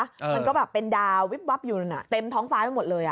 มันก็แบบเป็นดาววิบวับอยู่เต็มท้องฟ้าไปหมดเลย